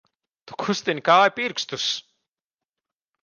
Tu kustini kāju pirkstus!